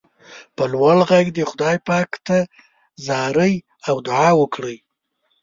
په لوړ غږ دې خدای پاک ته زارۍ او دعا وکړئ.